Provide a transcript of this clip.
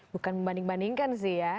bukan membanding bandingkan sih ya